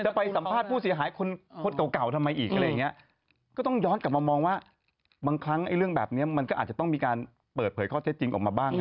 ไปสัมภาษณ์ผู้เสียหายคนเก่าทำไมอีกอะไรอย่างเงี้ยก็ต้องย้อนกลับมามองว่าบางครั้งไอ้เรื่องแบบนี้มันก็อาจจะต้องมีการเปิดเผยข้อเท็จจริงออกมาบ้าง